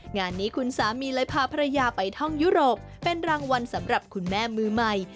งานนี้คุณสามีเลยพาภรรยาไปท่องยุโรปเป็นรางวัลสำหรับคุณแม่มือใหม่